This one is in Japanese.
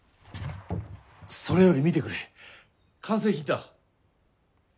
それより見てくれ完成品だ